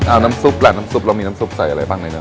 เอาน้ำซุปล่ะน้ำซุปเรามีน้ำซุปใส่อะไรบ้างในน้ำ